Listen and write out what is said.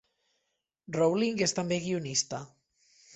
Rowling és també la guionista.